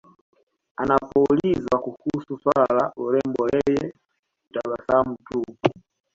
Anapoulizwa kuhusu swala la urembo yeye hutabasamu tu